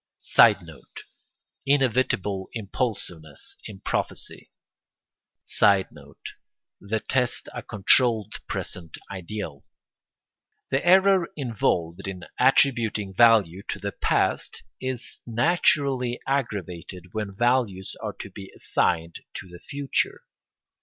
[Sidenote: Inevitable impulsiveness in prophecy.] [Sidenote: The test a controlled present ideal.] The error involved in attributing value to the past is naturally aggravated when values are to be assigned to the future.